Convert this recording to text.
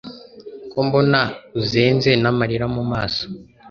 ko mbona uzenze namarira mumaso!